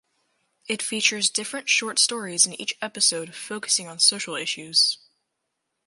It features different short stories in each episode focusing on social issues.